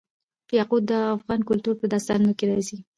یاقوت د افغان کلتور په داستانونو کې راځي.